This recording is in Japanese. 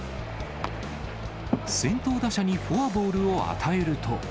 先頭打者にフォアボールを与えると。